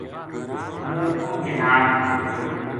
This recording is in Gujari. ہوں اُنھ کے ناڑ محبت کروں ‘‘